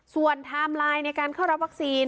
ส่วนไทม์ไลน์ในการเข้ารับวัคซีน